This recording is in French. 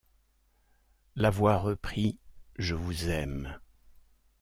La voix reprit :— Je vous aime.